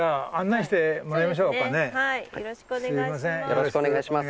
よろしくお願いします。